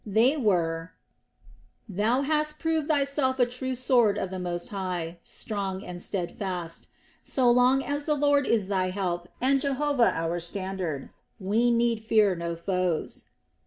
They were: "Thou bast proved thyself a true sword of the Most High, strong and steadfast. So long as the Lord is thy help and Jehovah is our standard, we need fear no foes."